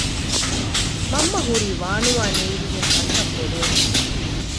މަންމަ ހުރީ ވާނުވާ ނޭގިގެން ކަންތައް ބޮޑުވެފަ